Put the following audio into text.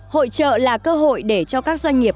hội trợ là cơ hội để cho các doanh nghiệp